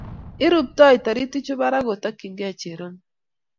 Irubtoi toritichu barak kotokchigei cherongo.